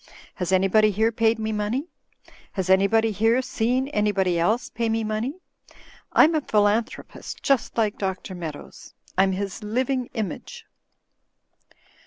Has anybody here paid me money? Has any body here seen anybody else pay me money? Fm a philanthropist just like Dr. Meadows. I'm his liv ing image!"